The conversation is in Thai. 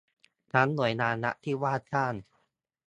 ทั้งหน่วยงานรัฐที่ว่าจ้าง